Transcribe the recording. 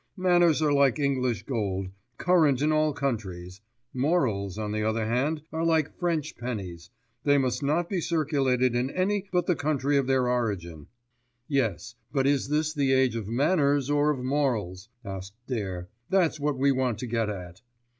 Manners are like English gold, current in all countries: morals, on the other hand, are like French pennies, they must not be circulated in any but the country of their origin." "Yes; but is this the age of manners or of morals?" asked Dare. "That's what we want to get at."